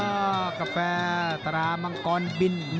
อ้ากาแฟตรามังค์กองบิล